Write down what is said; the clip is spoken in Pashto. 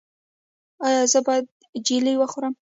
ایا زه باید جیلې وخورم؟